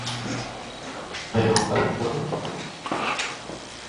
Mèo gặp mỡ.